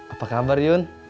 apa kabar yun